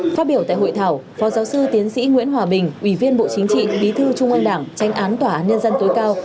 phát biểu tại hội thảo phó giáo sư tiến sĩ nguyễn hòa bình ủy viên bộ chính trị bí thư trung ương đảng tranh án tòa án nhân dân tối cao